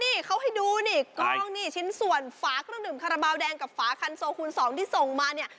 นี่เขาให้ดูนี่กองนี่ชิ้นส่วนฝาเครื่องดื่มคาราบาลแดงกับฝาคันโซคูณสองที่ส่งมาเนี่ย